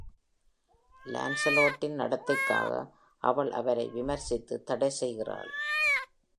லான்சலோட்டின் நடத்தைக்காக அவள் அவரை விமர்சத்து தடை செய்கிறாள்.